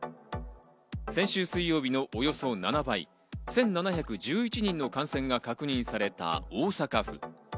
先週水曜日のおよそ７倍、１７１１人の感染が確認された大阪府。